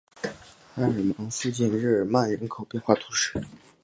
埃尔芒附近圣日耳曼人口变化图示